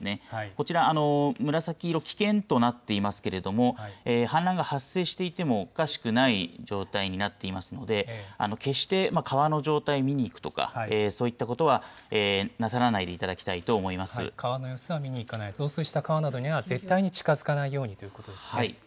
こちら、紫色、危険となっていますけれども、氾濫が発生していてもおかしくない状態になっていますので、決して川の状態を見に行くとか、そういったことはなさらない川の様子は見に行かない、増水した川などには絶対に近づかないようにということですね。